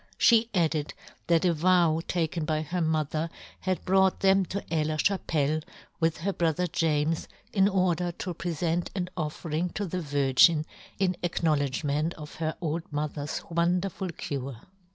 She added that " a vow taken by her mother had " brought them to Aix la Chapelle, " with her brother James, in order " to prefent an offering to the Virgin, " in acknowledgment of her old " mother's wonderful cure.